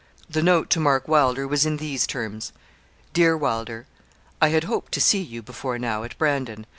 The note to Mark Wylder was in these terms: 'DEAR WYLDER, I had hoped to see you before now at Brandon.